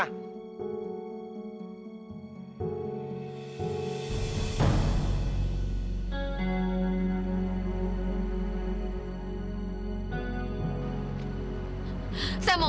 saya bener bener nangis